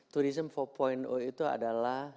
turism empat itu adalah